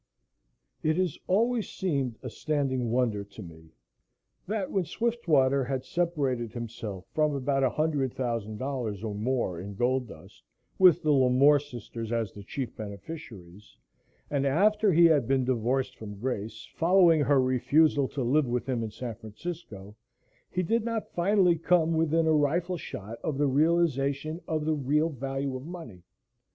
IT HAS always seemed a standing wonder to me that when Swiftwater had separated himself from about $100,000 or more in gold dust with the Lamore sisters as the chief beneficiaries, and after he had been divorced from Grace, following her refusal to live with him in San Francisco, he did not finally come within a rifle shot of the realization of the real value of money.